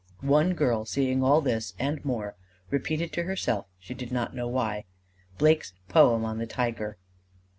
One girl, seeing all this and more repeated to herself, she did not know why, Blake's poem on the Tiger.